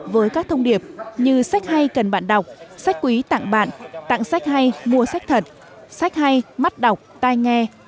với các thông điệp như sách hay cần bạn đọc sách quý tặng bạn tặng sách hay mua sách thật sách hay mắt đọc tai nghe